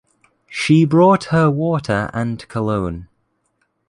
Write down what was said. She brought her water and cologne.